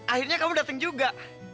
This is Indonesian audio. akhirnya kamu dateng juga